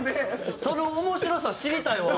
その面白さ知りたいわ！